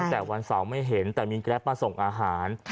แต่วันเสาร์ไม่เห็นแต่มีแกรปมาส่งอาหาร